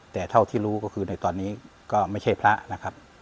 แต่เท่าที่รู้ก็คือในตอนนี้ก็ไม่ใช่พระนะครับ